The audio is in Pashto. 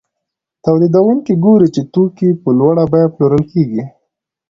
تولیدونکي ګوري چې توکي په لوړه بیه پلورل کېږي